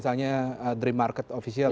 misalnya dream market official